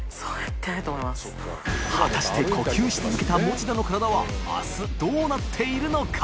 祺未燭靴呼吸し続けた餅田の体は△どうなっているのか？